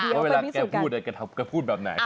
เพราะเวลาแกพูดแบบไหน